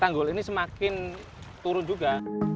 tanggul ini semakin turun juga